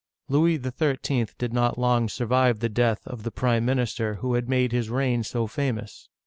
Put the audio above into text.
Louis XIII. did not long survive the death of the prime minister who had made his reign so famous.